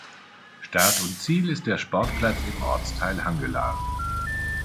Start und Ziel ist der Sportplatz im Ortsteil Hangelar.